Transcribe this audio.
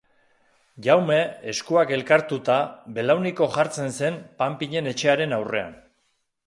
Jaume, eskuak elkartuta, belauniko jartzen zen panpinen etxearen aurrean.